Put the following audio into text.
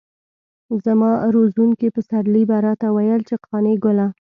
زما روزونکي پسرلي به راته ويل چې قانع ګله.